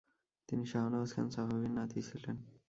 তিনি শাহ নওয়াজ খান সাফাভির নাতি ছিলেন।